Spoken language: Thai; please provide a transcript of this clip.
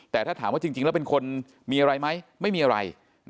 แต่ถ้าถามว่าจริงแล้วเป็นคนมีอะไรไหมไม่มีอะไร